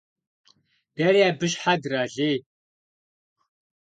Дэри абы щхьэ дралей.